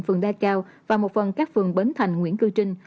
phường đa cao và một phần các phường bến thành nguyễn cư trinh